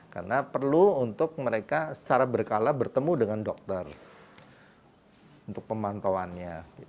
karena perlu untuk mereka secara berkala bertemu dengan dokter untuk pemantauannya